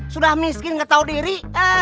sudah miskin nggak tahu diri